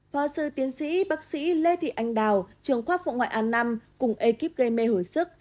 phó sư tiến sĩ bác sĩ lê thị anh đào trường khoa phụ ngoại an năm cùng ekip gây mê hồi sức